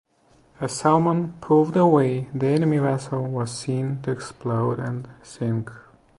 As "Salmon" pulled away, the enemy vessel was seen to explode and sink.